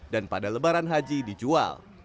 dan pada lebaran haji dijual